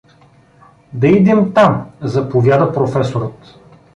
— Да идем там — заповяда професорът.